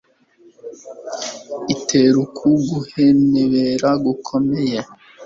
itera uku guhenebera gukomeye,